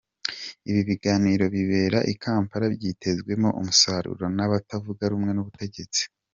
Ibi biganiro bibera i Kampala byitezwemo umusaruro n’abatavuga rumwe n’ubutegetsi.